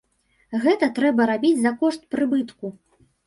Гэта трэба рабіць за кошт прыбытку.